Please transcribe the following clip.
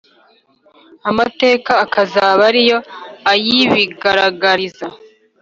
amateka akazaba ariyo ayibigaragariza.